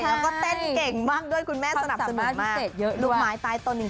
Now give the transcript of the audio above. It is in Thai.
แล้วก็เต้นเก่งมากด้วยคุณแม่สนับสนุกมากลูกไม้ตายต้นจริง